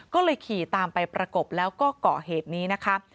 ก็เลยขี่ตามไปประกบแล้วก็เกาะเหตุนี้นะคะ